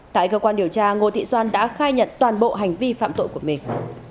tại cơ quan điều tra ngô thị doan đã khai nhận toàn bộ hành vi phạm tội của mình